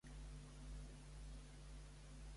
Els socialistes estan a favor de la nova nomenclatura?